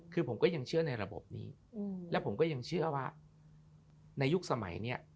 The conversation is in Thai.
คือผมก็ยังเชื่อในระบบนี้และผมก็ยังเชื่อว่าในยุคสมัยนี้